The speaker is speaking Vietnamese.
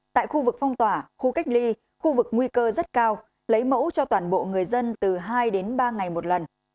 tại khu vực phong tỏa khu cách ly khu vực nguy cơ rất cao lấy mẫu cho toàn bộ người dân từ hai đến ba ngày một lần